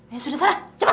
ya sudah sarah cepat